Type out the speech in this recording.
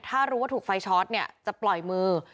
ถ้ารู้ว่าถูกไฟช็อตเนี่ยจะปล่อยมือ